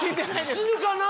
死ぬかな？